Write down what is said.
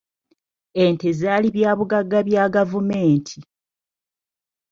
Ente zaali bya bugagga bya gavumenti.